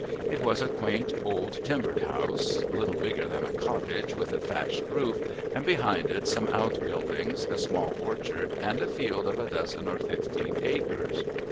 It was a quaint, old, timbered house, little bigger than a cottage, with a thatched roof, and behind it some outbuildings, a small orchard, and a field of a dozen or fifteen acres.